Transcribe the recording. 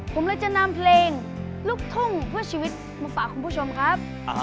ผมเลยจะนำเพลงลูกทุ่งเพื่อชีวิตมาฝากคุณผู้ชมครับ